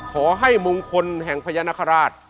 ขอให้มงคลแห่งพญานาคาราช